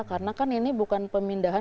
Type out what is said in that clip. karena kan ini bukan pemindahan